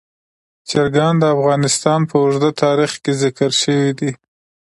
چرګان د افغانستان په اوږده تاریخ کې ذکر شوی دی.